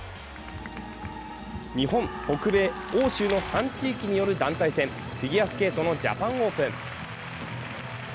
日本・北米・欧州の３地域による団体戦、フィギュアスケートのジャパンオープン。